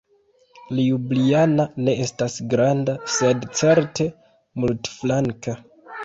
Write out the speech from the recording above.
Ljubljana ne estas granda, sed certe multflanka.